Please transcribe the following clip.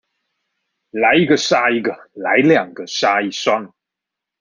來一個殺一個、來兩個殺一雙